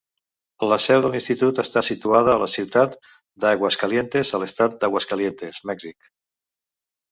La seu de l'Institut està situada a la ciutat d'Aguascalientes, a l'Estat d'Aguascalientes, Mèxic.